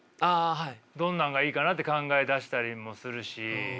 どんなんがいいかなって考え出したりもするし。